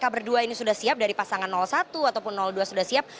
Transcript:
berdua ini sudah siap dari pasangan satu ataupun dua sudah siap